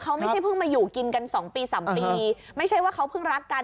เขาไม่ใช่เพิ่งมาอยู่กินกันสองปีสามปีไม่ใช่ว่าเขาเพิ่งรักกัน